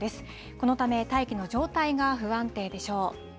このため、大気の状態が不安定でしょう。